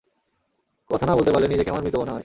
কথা না বলতে পারলে, নিজেকে আমার মৃত মনে হয়।